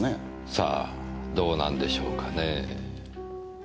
さあどうなんでしょうかねぇ。